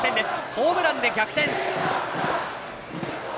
ホームランで逆転。